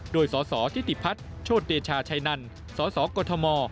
โดยสสทิติพัฒน์โชธเดชาชัยนันสสกม